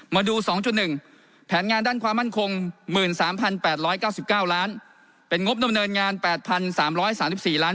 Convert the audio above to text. มาดู๒๑แผนงานด้านความมั่นคง๑๓๘๙๙ล้านเป็นงบดำเนินงาน๘๓๓๔ล้าน